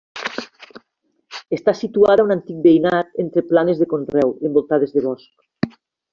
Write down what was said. Està situada a un antic veïnat entre planes de conreu, envoltades de bosc.